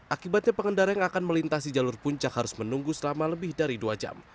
akibatnya pengendara yang akan melintasi jalur puncak harus menunggu selama lebih dari dua jam